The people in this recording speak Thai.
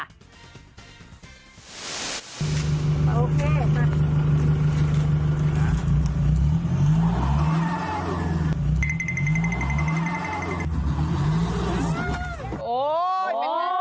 โอ้ยเป็นเงินเลย